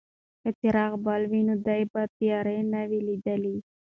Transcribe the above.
که څراغ بل وای نو ده به تیاره نه وای لیدلې.